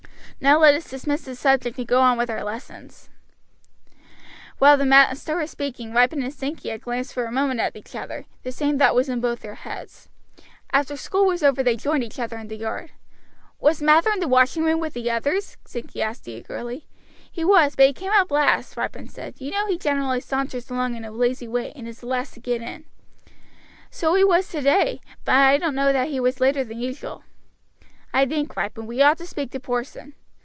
Now let us dismiss the subject and go on with our lessons." While the master was speaking Ripon and Sankey had glanced for a moment at each other; the same thought was in both their minds. After school was over they joined each other in the yard. "Was Mather in the washing room with the others?" Sankey asked eagerly. "He was, but he came up last," Ripon replied. "You know he generally saunters along in a lazy way and is the last to get in. So he was today, but I don't know that he was later than usual." "I think, Ripon, we ought to speak to Porson."